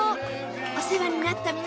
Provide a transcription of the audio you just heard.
お世話になった皆さん